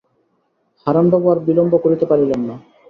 হারানবাবু আর বিলম্ব করিতে পারিলেন না।